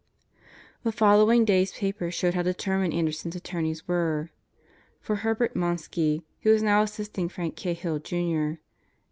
The following day's paper showed how determined Anderson's attorneys were. For Herbert Monsky, who was now assisting Frank Cahill, Jr.